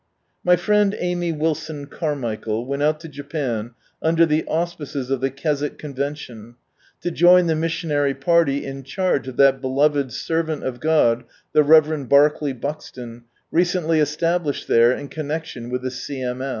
My friend Amy Wilson Carmichael went out to Japan under the auspices of the Keswick Convention to join the missionary party in charge of that beloved servant of God the Rev. Barclay Buxlon recently established there in connection with the C.M.